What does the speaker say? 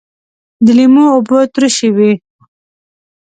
د لیمو اوبه ترشی وي